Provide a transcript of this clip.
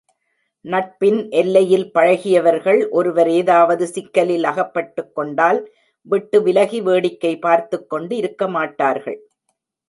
நட்பின் எல்லையில் நின்று பழகியவர்கள், ஒருவர் ஏதாவது சிக்கலில் அகப்பட்டுக்கொண்டால் விட்டு விலகி வேடிக்கை பார்த்துக் கொண்டு இருக்கமாட்டார்கள்.